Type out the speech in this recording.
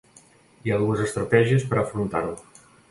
Hi ha dues estratègies per afrontar-ho.